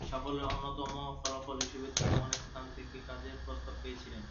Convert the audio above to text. সাফল্যের অন্যতম ফলাফল হিসাবে তিনি অনেক স্থান থেকে কাজের প্রস্তাব পেয়েছিলেন।